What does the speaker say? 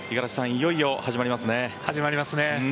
いよいよ始まりますね。